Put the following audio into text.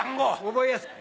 覚えやすい。